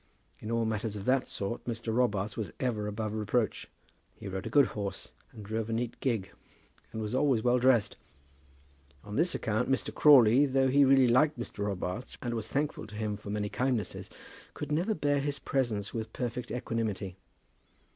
In all matters of that sort, Mr. Robarts was ever above reproach. He rode a good horse, and drove a neat gig, and was always well dressed. On this account Mr. Crawley, though he really liked Mr. Robarts, and was thankful to him for many kindnesses, could never bear his presence with perfect equanimity.